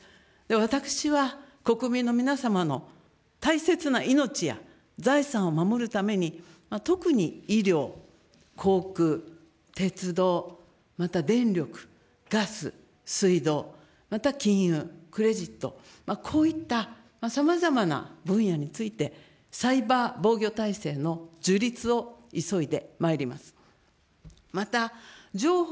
私は国民の皆様の大切な命や財産を守るために、特に医療、航空、鉄道、また電力、ガス、水道、また金融、クレジット、こういったさまざまな分野について、サイバー防御体制の樹立を急いでまいります。